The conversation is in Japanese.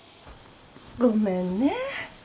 ごめんね。